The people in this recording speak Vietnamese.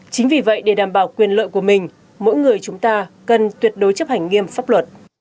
chính vì vậy để đảm bảo quyền lợi của mình mỗi người chúng ta cần tuyệt đối chấp hành nghiêm pháp luật